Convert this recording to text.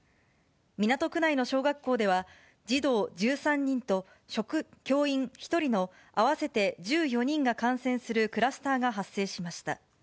港区内の小学校では、児童１３人と教員１人の合わせて１４人が感染するクラスターが発生しました。